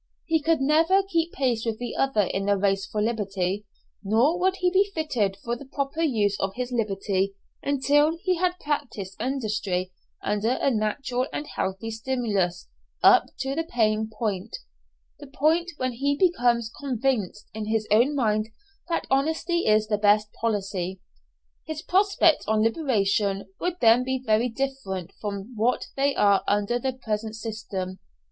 He could never keep pace with the other in the race for liberty, nor would he be fitted for the proper use of his liberty until he had practised industry under a natural and healthy stimulus up to the paying point the point when he becomes convinced in his own mind that honesty is the best policy. His prospects on liberation would then be very different from what they are under the present system.